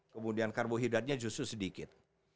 kemudian karbohidratnya justru sedikit